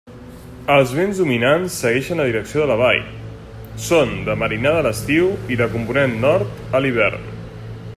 Els vents dominants segueixen la direcció de la vall; són de marinada a l'estiu i de component nord a l'hivern.